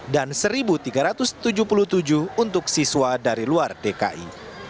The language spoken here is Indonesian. dan satu tiga ratus tujuh puluh tujuh untuk siswa dari luar dki